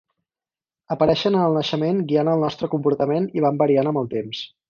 Apareixen en el naixement guiant el nostre comportament i van variant amb el temps.